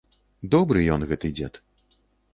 Добры ён, гэты дзед.